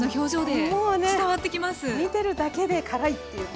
もうね見てるだけで辛いっていうね。